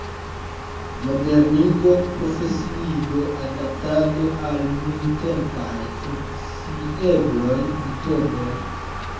Modernigo, profesiigo, adaptado al nuntempaj funkciebloj, metodoj.